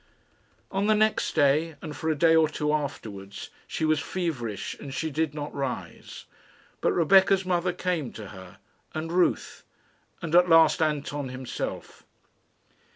On the next day, and for a day or two afterwards, she was feverish and she did not rise, but Rebecca's mother came to her, and Ruth and at last Anton himself.